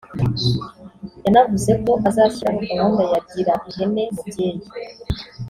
yanavuze ko azashyiraho gahunda ya Gira ihene mubyeyi